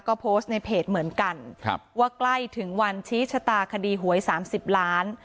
ก็โพสต์ในเพจเหมือนกันว่าใกล้ถึงวันชี้ชะตาคดีหวย๓๐ล้าน